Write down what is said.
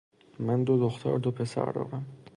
من دو دختر و دو پسر دارم.